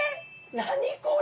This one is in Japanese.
何これ！